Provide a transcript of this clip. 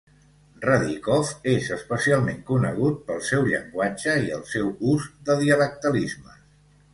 Radichkov és especialment conegut pel seu llenguatge i el seu ús de dialectalismes.